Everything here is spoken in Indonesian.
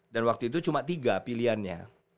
dan waktu itu cuma tiga pilihannya